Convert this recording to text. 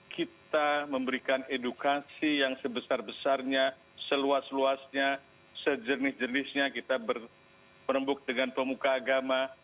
kita memberikan edukasi yang sebesar besarnya seluas luasnya sejenisnya kita berembuk dengan pemuka agama